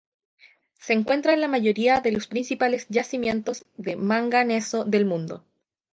Se encuentra en la mayoría de los principales yacimientos de manganeso del mundo.